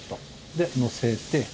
でのせて。